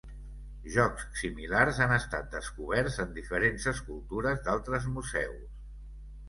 Jocs similars han estat descoberts en diferents escultures d’altres museus.